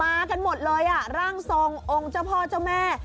กันหมดเลยอ่ะร่างทรงองค์เจ้าพ่อเจ้าแม่